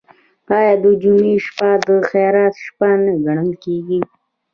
آیا د جمعې شپه د خیرات شپه نه ګڼل کیږي؟